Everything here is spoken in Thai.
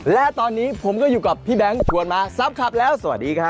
และตอนนี้ผมก็อยู่กับพี่แบงค์ชวนมาซับขับแล้วสวัสดีครับ